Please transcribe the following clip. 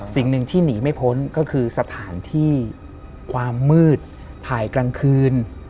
สิ่งหนึ่งที่หนีไม่พ้นก็คือสถานที่ความมืดถ่ายกลางคืน